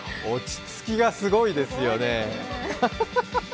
落ち着きがすごいですよね。